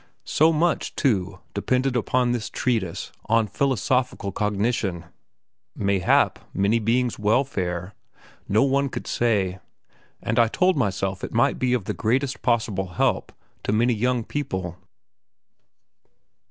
So much, too, depended on this treatise on "Philosophical Cognition" mayhap many human beings' welfare, no one could say; and I told myself it might be of the greatest possible help to many young people.